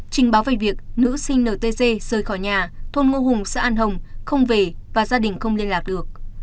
trình báo về việc nữ sinh ntg rời khỏi nhà thôn ngô hùng xã an hồng không về và gia đình không liên lạc được